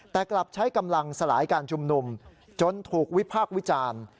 แต่กลับใช้กำลังสลายการชุมนุมจนถูกวิพากษ์วิจารณ์